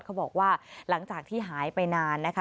เขาบอกว่าหลังจากที่หายไปนานนะคะ